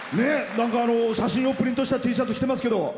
写真をプリントしたＴシャツを着ていますけど。